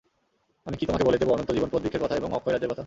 আমি কি তোমাকে বলে দেব অনন্ত জীবনপ্রদ বৃক্ষের কথা এবং অক্ষয় রাজ্যের কথা?